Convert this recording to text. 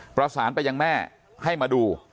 ประสานไปยังแม่ให้มาดู